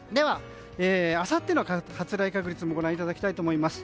あさっての発雷確率もご覧いただきましょう。